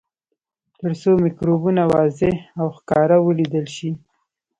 تر څو مکروبونه واضح او ښکاره ولیدل شي.